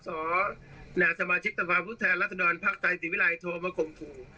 สอสอแสมาชิกษภาพพุทธรรษฎรภาคไทยศิวิลัยโทรมาคมคู่